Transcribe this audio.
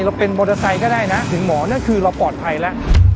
เราเป็นมอเตอร์ไซค์ก็ได้นะถึงหมอนั่นคือเราปลอดภัยแล้ว